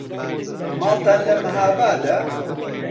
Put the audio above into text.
ماڵتان لە مەهابادە؟